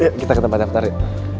ayo kita ke tempat daftar yuk